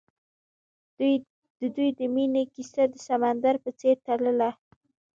د دوی د مینې کیسه د سمندر په څېر تلله.